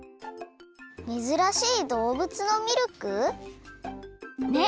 めずらしいどうぶつのミルク？ね